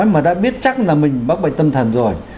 mà đã biết chắc là mình mắc bệnh tâm thần rồi